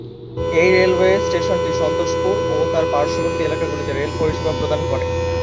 এই রেলওয়ে স্টেশনটি সন্তোষপুর ও তার পার্শ্ববর্তী এলাকাগুলিতে রেল পরিষেবা প্রদান করে।